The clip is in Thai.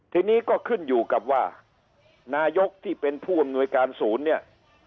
ทีนี้ก็ขึ้นอยู่กับว่านายกที่เป็นผู้อำนวยการศูนย์เนี่ย